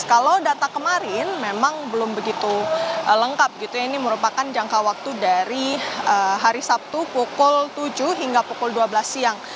kalau data kemarin memang belum begitu lengkap ini merupakan jangka waktu dari hari sabtu pukul tujuh hingga pukul dua belas siang